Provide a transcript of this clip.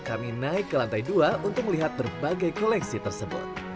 kami naik ke lantai dua untuk melihat berbagai koleksi tersebut